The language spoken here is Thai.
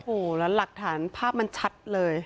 โอ้โหแล้วหลักฐานภาพมันชัดเลย